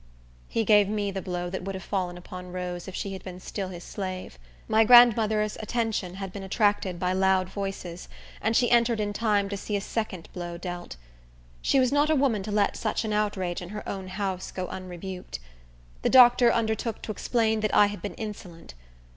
He gave me the blow that would have fallen upon Rose if she had still been his slave. My grandmother's attention had been attracted by loud voices, and she entered in time to see a second blow dealt. She was not a woman to let such an outrage, in her own house, go unrebuked. The doctor undertook to explain that I had been insolent.